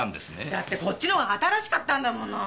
だってこっちのほうが新しかったんだもの！